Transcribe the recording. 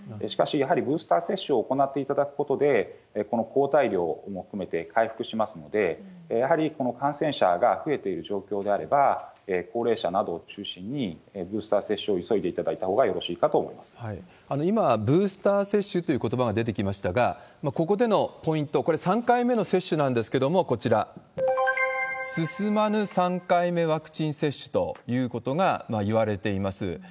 しかし、やはりブースター接種を行っていただくことで、この抗体量も含めて回復しますので、やはりこの感染者が増えている状況であれば、高齢者などを中心にブースター接種を急いでいただいたほうがよろ今、ブースター接種ということばが出てきましたが、ここでのポイント、これ、３回目の接種なんですけれども、こちら、進まぬ３回目ワクチン接種ということがいわれています。